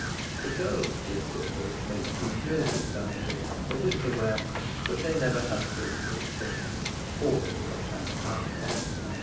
The girls did propose to make two josephs out of it for winter wear, but they never have thought of it since, or have not had time.